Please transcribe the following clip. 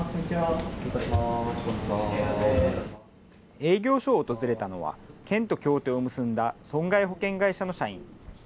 営業所を訪れたのは、県と協定を結んだ損害保険会社の社員。